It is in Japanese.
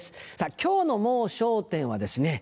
今日の『もう笑点』はですね